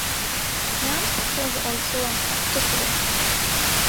Ramspeck was also an active Civitan.